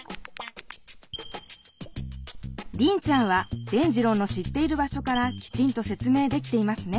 リンちゃんは伝じろうの知っている場所からきちんと説明できていますね。